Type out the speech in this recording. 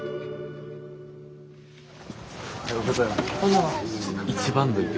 おはようございます。